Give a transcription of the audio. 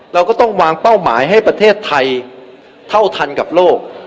เราก็ต้องวางเป้าหมายให้ประเทศไทยเท่าทันกับโลก